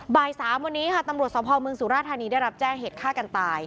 บ่าย๓วันนี้ค่ะตำรวจสภเมืองสุราธานีได้รับแจ้งเหตุฆ่ากันตาย